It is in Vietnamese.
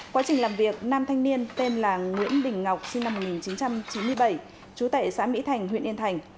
quá trình làm việc nam thanh niên tên là nguyễn đình ngọc sinh năm một nghìn chín trăm chín mươi bảy chú tệ xã mỹ thành huyện yên thành